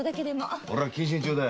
俺は謹慎中だ。